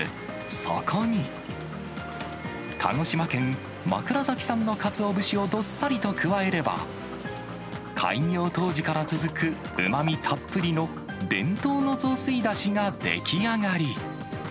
そこに、鹿児島県枕崎産のかつお節をどっさりと加えれば、開業当時から続くうまみたっぷりの伝統の雑炊だしが出来上がり。